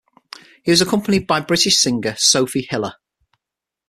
He was accompanied by the British singer Sophie Hiller.